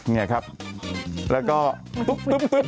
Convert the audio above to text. เนี่ยครับแล้วก็ตุ๊บตบดึงครับ